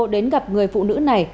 đến gặp người phụ nữ này